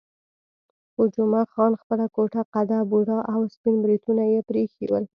خو جمعه خان خپله کوټه قده، بوډا او سپین بریتونه یې پرې ایښي ول.